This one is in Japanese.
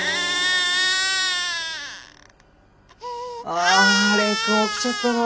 あ蓮くん起きちゃったの？